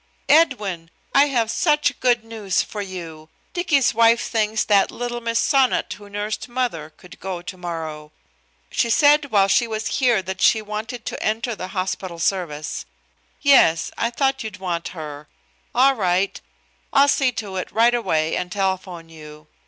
"Edwin, I have such good news for you. Dicky's wife thinks that little Miss Sonnot who nursed mother could go tomorrow. She said while she was here that she wanted to enter the hospital service. Yes. I thought you'd want her. All right. I'll see to it right away and telephone you.